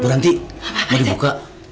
berhenti mau dibuka